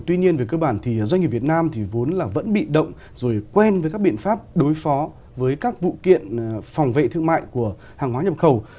tuy nhiên về cơ bản thì doanh nghiệp việt nam thì vốn là vẫn bị động rồi quen với các biện pháp đối phó với các vụ kiện phòng vệ thương mại của hàng hóa nhập khẩu